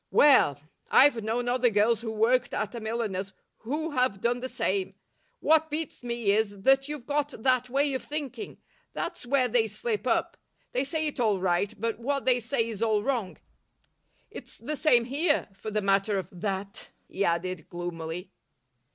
Well, I've known other girls who worked at a milliner's who have done the same. What beats me is that you've got that way of thinking. That's where they slip up. They say it all right, but what they say is all wrong. It's the same here, for the matter of that," he added gloomily.